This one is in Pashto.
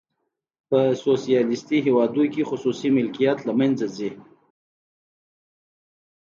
په سوسیالیستي هیوادونو کې خصوصي ملکیت له منځه ځي.